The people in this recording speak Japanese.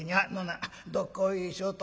どっこいしょと」。